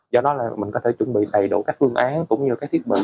do đó là mình có thể chuẩn bị đầy đủ các phương án cũng như các thiết bị